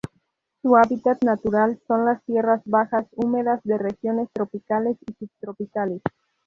Su hábitat natural son las tierras bajas húmedas de regiones tropicales y subtropicales.